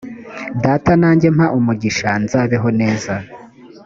data nanjye mpa umugisha nzabeho neza